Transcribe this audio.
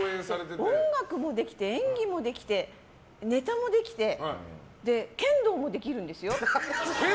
音楽もできて演技もできてネタもできて剣道すごいんだ。